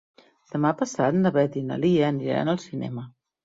Demà passat na Beth i na Lia aniran al cinema.